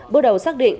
bước đầu xác định